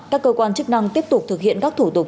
các cơ quan chức năng tiếp tục thực hiện các thủ tục